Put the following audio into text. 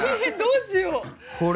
どうしよう。